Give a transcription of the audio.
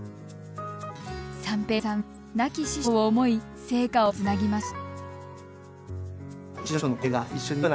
三平さんは亡き師匠を思い聖火をつなぎました。